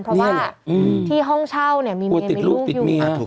เพราะว่าที่ห้องเช่าเลยมีเมลูกอยู่